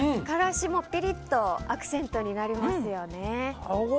からしもピリッとアクセントになりますよね。